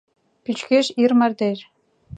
Пӱчкеш ир мардеж.